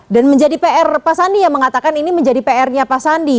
dan menjadi pr pak sandi yang mengatakan ini menjadi pr nya pak sandi